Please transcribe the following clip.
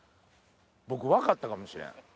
僕分かったかもしれん。